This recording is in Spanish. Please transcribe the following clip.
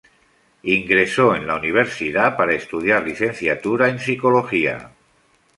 Ingresó en la universidad para estudiar Licenciatura en Psicología.